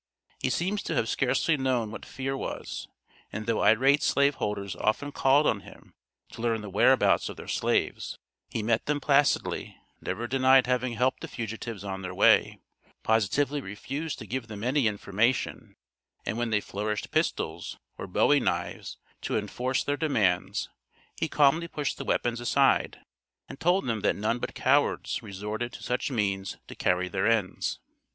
He seems to have scarcely known what fear was, and though irate slave holders often called on him to learn the whereabouts of their slaves, he met them placidly, never denied having helped the fugitives on their way, positively refused to give them any information, and when they flourished pistols, or bowie knives to enforce their demands, he calmly pushed the weapons aside, and told them that none but cowards resorted to such means to carry their ends.